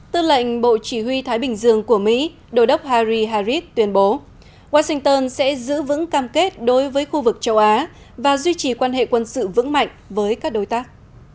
tư lệnh bộ chỉ huy thái bình dương của mỹ đô đốc hari harris tuyên bố washington sẽ giữ vững cam kết đối với khu vực châu á và duy trì quan hệ quân sự vững mạnh với các đối tác